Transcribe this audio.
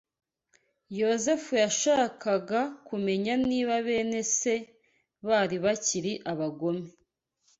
YOZEFU yashakaga kumenya niba bene se bari bakiri abagome